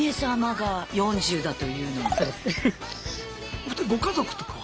お二人ご家族とかは？